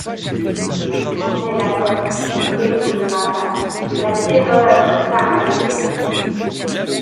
Il sentait la coque vibrer sous les impacts, la terreur le paralysait.